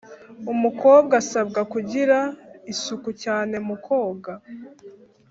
Umukobwa asabwa kugira isuku cyane mu koga